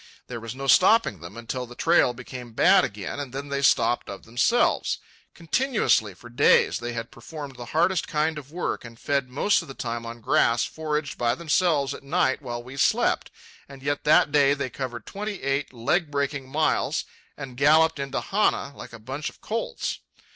There was no stopping them until the trail became bad again, and then they stopped of themselves. Continuously, for days, they had performed the hardest kind of work, and fed most of the time on grass foraged by themselves at night while we slept, and yet that day they covered twenty eight leg breaking miles and galloped into Hana like a bunch of colts.